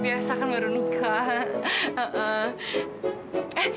biasa kan baru nikah